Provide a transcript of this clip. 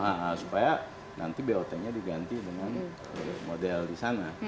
nah supaya nanti bot nya diganti dengan model di sana